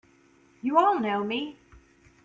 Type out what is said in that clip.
You all know me!